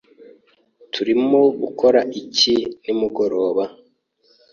Turimo gukora iki nimugoroba?